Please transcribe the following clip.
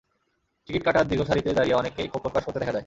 Ticket কাটার দীর্ঘ সারিতে দাঁড়িয়ে অনেককেই ক্ষোভ প্রকাশ করতে দেখা যায়।